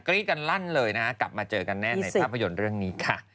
รีดกันลั่นเลยนะกลับมาเจอกันแน่ในภาพยนตร์เรื่องนี้ค่ะ